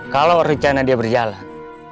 kalau rencana dia berjalan